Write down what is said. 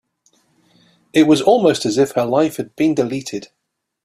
It was almost as if her life had been deleted.